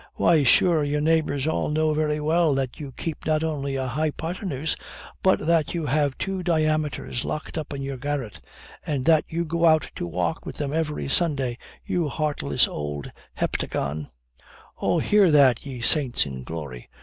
"Why, sure your neighbors all know very well that you keep not only a hypothenuse, but that you have two diameters locked up in your garret, and that you go out to walk with them every Sunday, you heartless old heptagon." "Oh, hear that, ye saints in glory!